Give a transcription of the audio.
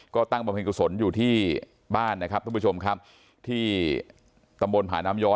ก็ตั้งบำเพ็ญกุศลอยู่ที่บ้านนะครับท่านผู้ชมครับที่ตำบลผาน้ำย้อ